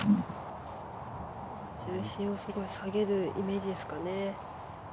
重心を下げるイメージですかね。